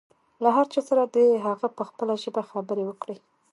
له هر چا سره د هغه په خپله ژبه خبرې وکړئ.